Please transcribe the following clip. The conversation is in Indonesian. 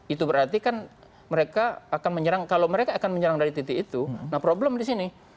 itu berarti kan mereka akan menyerang kalau mereka akan menyerang dari titik itu nah problem di sini